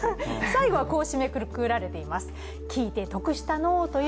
最後はこう締めくくられています。